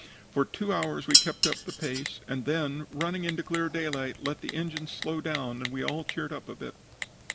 For two hours we kept up the pace, and then, running into clear daylight, let the engines slow down and we all cheered up a bit."